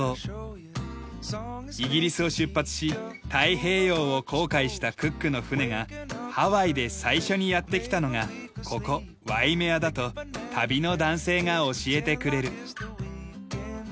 イギリスを出発し太平洋を航海したクックの船がハワイで最初にやって来たのがここワイメアだと旅の男性が教えてくれる。